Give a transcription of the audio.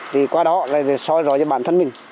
vì qua đó là so với bản thân mình